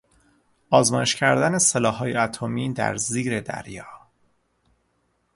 آزمایش کردن سلاحهای اتمی در زیر دریا